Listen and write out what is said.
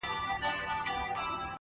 اخلاق د انسان خاموشه پېژندپاڼه ده!